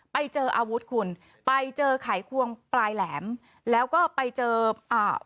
ไปเจออาวุธคุณไปเจอไขควงปลายแหลมแล้วก็ไปเจออ่า